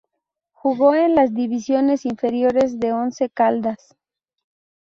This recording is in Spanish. Jugó en las divisiones inferiores de Once Caldas.